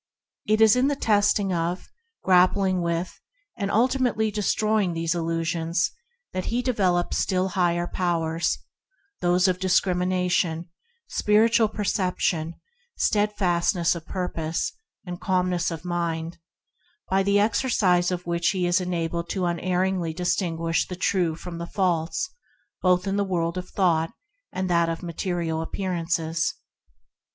It is in the testing of, grappling with, and ultimately destroying these illusions that he develops still higher powers, those of discrimination, spiritual perception, stead fastness of purpose, and calmness of mind, by the exercise of which he is enabled to distinguish unerringly the true from the false, both in the world of thought and that of material appearances.